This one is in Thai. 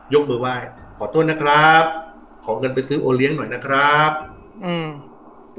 ยกมือไหว้ขอโทษนะครับขอเงินไปซื้อโอเลี้ยงหน่อยนะครับอืม